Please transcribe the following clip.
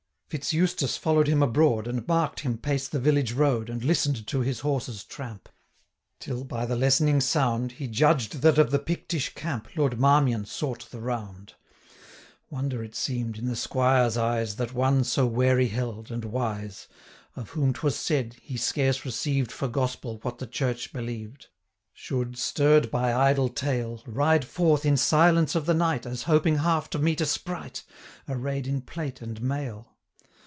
Fitz Eustace follow'd him abroad, 570 And mark'd him pace the village road, And listen'd to his horse's tramp, Till, by the lessening sound, He judged that of the Pictish camp Lord Marmion sought the round. 575 Wonder it seem'd, in the squire's eyes, That one, so wary held, and wise, Of whom 'twas said, he scarce received For gospel, what the Church believed, Should, stirr'd by idle tale, 580 Ride forth in silence of the night, As hoping half to meet a sprite, Array'd in plate and mail.